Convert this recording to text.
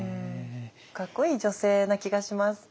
かっこいい女性な気がします。